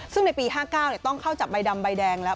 ซึ่งในปี๕๙ต้องเข้าจับใบดำใบแดงแล้ว